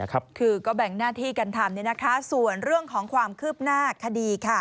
คือก็แบ่งหน้าที่กันทำส่วนเรื่องของความคืบหน้าคดี